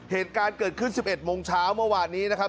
เหตุการณ์เกิดขึ้น๑๑โมงเช้าเมื่อวานนี้นะครับ